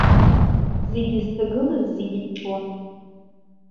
Зегьы зҭагылаз зегьы аӡбон.